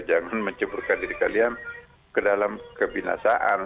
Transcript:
jangan menceburkan diri kalian ke dalam kebinasaan